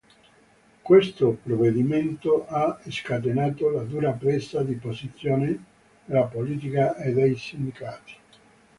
Questo provvedimento ha scatenato la dura presa di posizione della politica e dei sindacati.